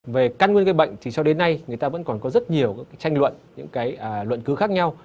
về căn nguyên bệnh thì sau đến nay người ta vẫn còn có rất nhiều tranh luận những luận cứ khác nhau